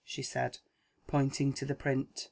she said, pointing to the print.